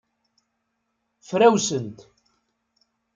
Frawsent.